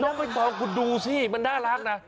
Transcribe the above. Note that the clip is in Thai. ไม่ต้องคุณดูสิมันน่ารักนะ